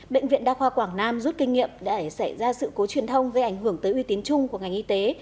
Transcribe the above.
bệnh viện đa khoa quảng nam rút kinh nghiệm để xảy ra sự cố truyền thông gây ảnh hưởng tới uy tín chung của ngành y tế